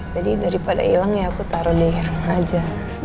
jadi daripada hilang ya aku taruh di rumah aja